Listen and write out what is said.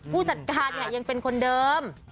ผู้จัดการเนี่ยยังเป็นคนเดิม